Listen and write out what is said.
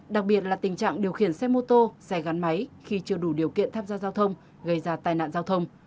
đặc biệt là tình trạng điều khiển xe mô tô xe gắn máy khi chưa đủ điều kiện tham gia giao thông gây ra tai nạn giao thông